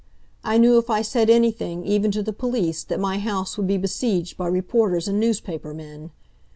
I knew if I said anything, even to the police, that my house would be besieged by reporters and newspaper men.